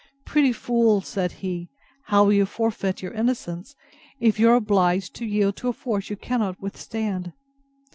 Pretty fool! said he, how will you forfeit your innocence, if you are obliged to yield to a force you cannot withstand?